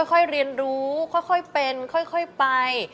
ค่อยเรียนรู้ค่อยเป็นค่อยไป